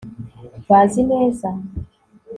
bazi neza